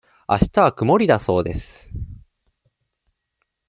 あしたは曇りだそうです。